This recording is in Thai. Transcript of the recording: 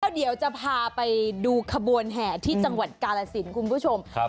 เดี๋ยวจะพาไปดูขบวนแห่ที่จังหวัดกาลสินคุณผู้ชมครับ